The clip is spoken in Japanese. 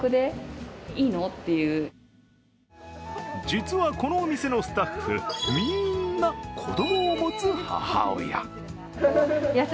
実は、このお店のスタッフ、みんな子供を持つ母親。